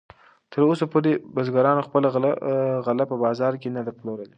تراوسه پورې بزګرانو خپله غله په بازار کې نه ده پلورلې.